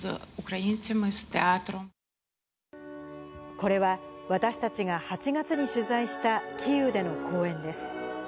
これは、私たちが８月に取材したキーウでの公演です。